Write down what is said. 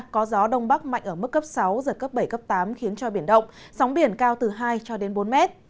có gió đông bắc mạnh ở mức cấp sáu giật cấp bảy tám khiến cho biển động sóng biển cao từ hai bốn m